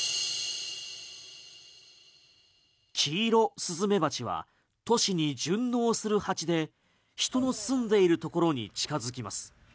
キイロスズメバチは都市に順応する蜂で人の住んでいるところに近づきます。